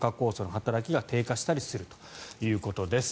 酵素の働きが低下したりするということです。